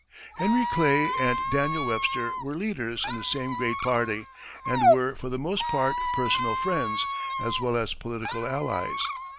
Henry Clay and Daniel Webster were leaders in the same great party, and were, for the most part, personal friends as well as political allies.